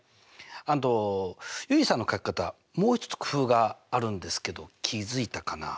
あと結衣さんの書き方もう一つ工夫があるんですけど気付いたかな？